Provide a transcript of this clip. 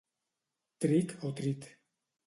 Tric o trit.